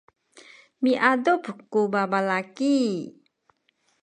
miadup ku babalaki.